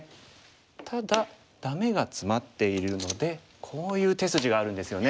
ただダメがツマっているのでこういう手筋があるんですよね。